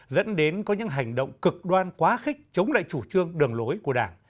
dẫn đến có những hành động cực đoan quá khích chống lại chủ trương đường lối của đảng